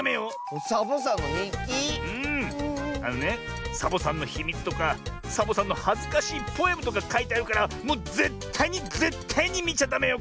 あのねサボさんのひみつとかサボさんのはずかしいポエムとかかいてあるからもうぜったいにぜったいにみちゃダメよ。